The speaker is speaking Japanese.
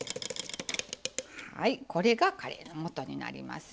これがカレーのもとになりますよ。